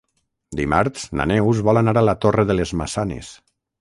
Dimarts na Neus vol anar a la Torre de les Maçanes.